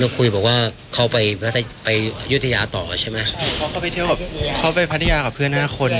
คุยบอกว่าเขาไปยุธยาต่อใช่ไหมใช่เพราะเขาไปเที่ยวกับเขาไปพัทยากับเพื่อนห้าคน